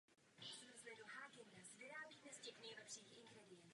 Mezitím Scotty připravil "Enterprise" k vyřazení všech zdrojů energie na povrchu planety.